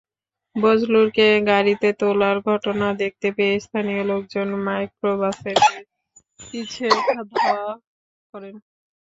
বজলুরকে গাড়িতে তোলার ঘটনা দেখতে পেয়ে স্থানীয় লোকজন মাইক্রোবাসের পিছে ধাওয়া করেন।